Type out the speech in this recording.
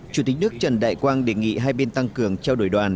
chủ tịch nước trần đại quang đề nghị hai bên tăng cường trao đổi đoàn